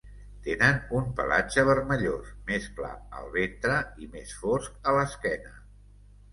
Tenen un pelatge vermellós, més clar al ventre i més fosc a l'esquena.